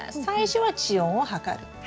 最初は地温を測る。